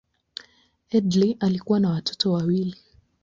Headlee alikuwa na watoto wawili.